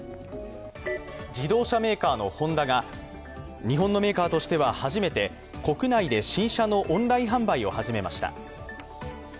自動車メーカーのホンダが日本のメーカーとしては初めて国内で新車のオンライン販売を始めました。